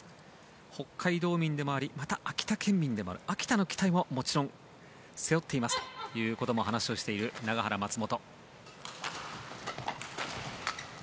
北海道民でもありまた秋田県民でもある秋田の期待も、もちろん背負っていますということも話している永原、松本。